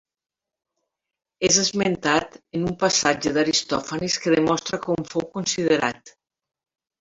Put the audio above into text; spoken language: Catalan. És esmentat en un passatge d'Aristòfanes que demostra com fou considerat.